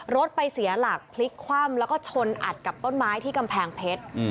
รถไปเสียหลักพลิกคว่ำแล้วก็ชนอัดกับต้นไม้ที่กำแพงเพชร